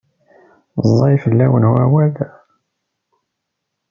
Ẓẓay fell-awen wawal.